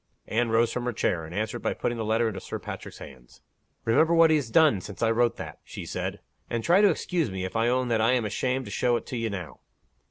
Anne rose from her chair, and answered by putting the letter into Sir Patrick's hands. "Remember what he has done, since I wrote that," she said. "And try to excuse me, if I own that I am ashamed to show it to you now."